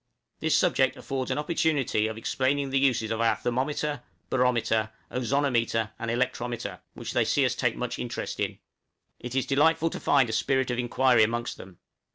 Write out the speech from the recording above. This subject affords an opportunity of explaining the uses of our thermometer, barometer, ozonometer, and electrometer, which they see us take much interest in. It is delightful to find a spirit of inquiry amongst them.